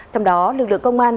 trong đó lực lượng công an